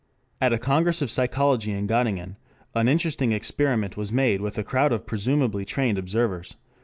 At a Congress of Psychology in Göttingen an interesting experiment was made with a crowd of presumably trained observers.